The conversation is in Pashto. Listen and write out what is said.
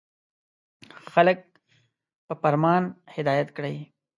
• خلک په فرمان هدایت کړئ.